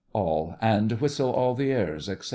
ALL: And whistle all the airs, etc.